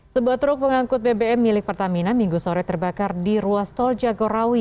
sebuah truk pengangkut bbm milik pertamina minggu sore terbakar di ruas tol jagorawi